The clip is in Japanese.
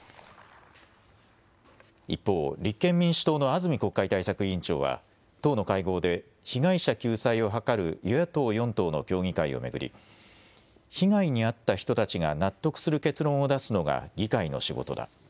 一方、立憲民主党の安住国会対策委員長は党の会合で被害者救済を図る与野党４党の協議会を巡り、被害に遭った人たちが納得する結論を出すのが議会の仕事だ。